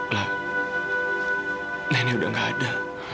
lah ini udah gak ada